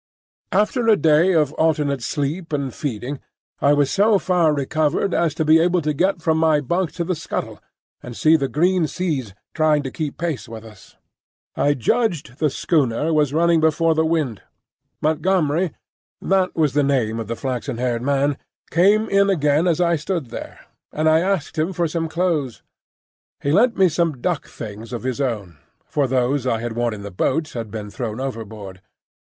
After a day of alternate sleep and feeding I was so far recovered as to be able to get from my bunk to the scuttle, and see the green seas trying to keep pace with us. I judged the schooner was running before the wind. Montgomery—that was the name of the flaxen haired man—came in again as I stood there, and I asked him for some clothes. He lent me some duck things of his own, for those I had worn in the boat had been thrown overboard.